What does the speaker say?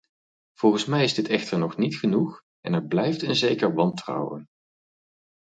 Volgens mij is dit echter nog niet genoeg, en er blijft een zeker wantrouwen.